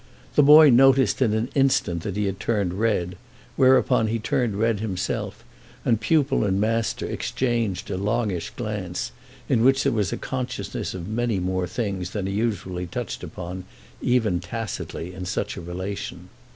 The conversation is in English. The boy noticed in an instant that he had turned red, whereupon he turned red himself and pupil and master exchanged a longish glance in which there was a consciousness of many more things than are usually touched upon, even tacitly, in such a relation.